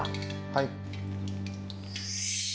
はい。